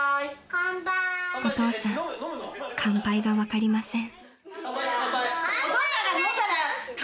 ［お父さん乾杯が分かりません］